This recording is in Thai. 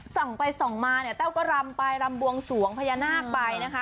ส่องไปส่องมาเนี่ยแต้วก็รำไปรำบวงสวงพญานาคไปนะคะ